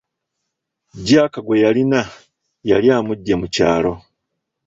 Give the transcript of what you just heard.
Jack gwe yalina yali amugye mu kyalo.